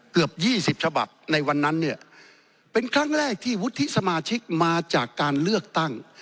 เกือบ๒๐ฉบับในวันนั้นเนี่ยเป็นครั้งแรกที่วุฒิสมาชิกมาจากการเลือกตั้ง